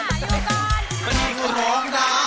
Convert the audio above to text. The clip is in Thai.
ไอครับอยู่ก่อน